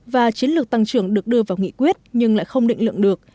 và chiến lược tăng trưởng được đưa vào nghị quyết nhưng lại không định lượng được